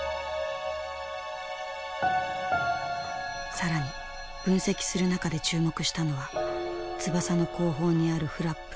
更に分析する中で注目したのは翼の後方にあるフラップ。